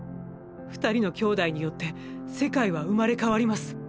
二人の兄弟によって世界は生まれ変わります。